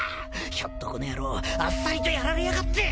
ひょっとこの野郎あっさりとやられやがって。